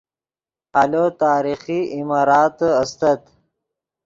آلو تاریخی عماراتے استت